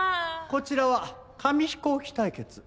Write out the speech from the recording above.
こちらは紙飛行機対決。